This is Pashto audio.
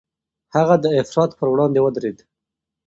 هغه د افراط پر وړاندې ودرېد.